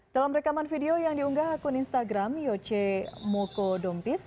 dalam rekaman video yang diunggah akun instagram yoce moko dompis